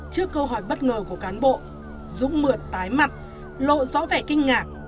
trước câu hỏi bất ngờ của cán bộ dũng mượn tái mặt lộ rõ vẻ kinh ngạc